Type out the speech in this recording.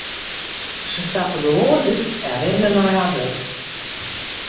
Se stappe gewoan út en rinne nei har wurk.